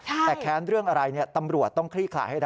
แต่แค้นเรื่องอะไรตำรวจต้องคลี่คลายให้ได้